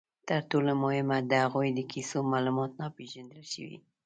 تر ټولو مهمه، د هغوی د کیسو معلومات ناپېژندل شوي.